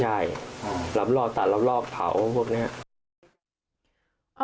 ใช่รับรอบตัดรับรอบเผาพวกนี้